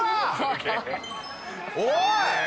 おい！